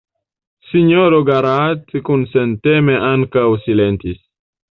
Sinjoro Garrat kunsenteme ankaŭ silentis.